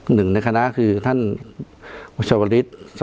หนึ่งในบทคือท่านผู้ชวรรดิกฤต